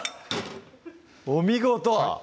お見事！